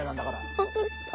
本当ですか？